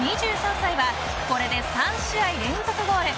２３歳はこれで３試合連続ゴール。